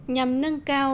nhằm nâng cao